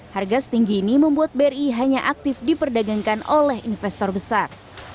harga setinggi ini membuat bri hanya aktif diperdagangkan oleh investor besar